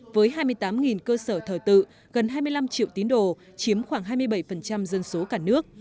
với hai mươi tám cơ sở thờ tự gần hai mươi năm triệu tín đồ chiếm khoảng hai mươi bảy dân số cả nước